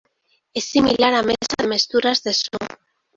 É similar á mesa de mesturas de son.